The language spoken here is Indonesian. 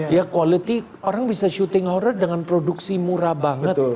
ya quality orang bisa syuting horror dengan produksi murah banget